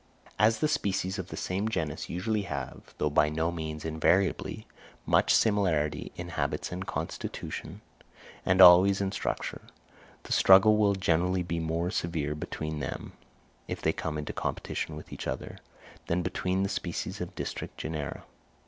_ As the species of the same genus usually have, though by no means invariably, much similarity in habits and constitution, and always in structure, the struggle will generally be more severe between them, if they come into competition with each other, than between the species of distinct genera.